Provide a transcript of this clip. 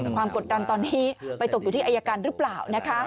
กดดันตอนนี้ไปตกอยู่ที่อายการหรือเปล่า